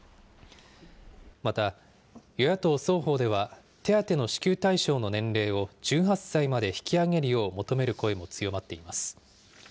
また与野党双方では、手当の支給対象の年齢を１８歳まで引き上げるよう求める声も強まっています。